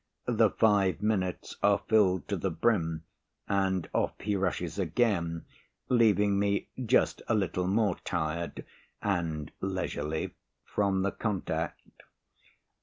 The five minutes are filled to the brim and off he rushes again, leaving me just a little more tired and leisurely from the contact.